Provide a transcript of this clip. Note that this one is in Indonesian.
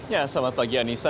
ya selamat pagi anissa